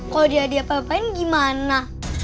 kalau dia diapa apain gimana